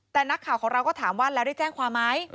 แต่นักข่าวของเราก็ถามว่าแล้วได้แจ้งความไหม